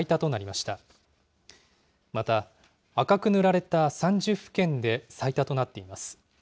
また、赤く塗られた３０府県で最多となっています。